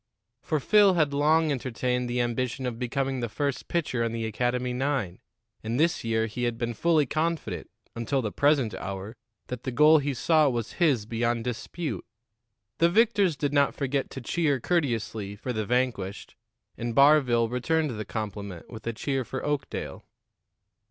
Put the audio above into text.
For Phil had long entertained the ambition of becoming the first pitcher on the academy nine, and this year he had been fully confident until the present hour that the goal he sought was his beyond dispute. The victors did not forget to cheer courteously for the vanquished, and Barville returned the compliment with a cheer for Oakdale.